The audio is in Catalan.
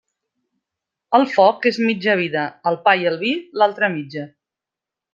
El foc és mitja vida; el pa i el vi, l'altra mitja.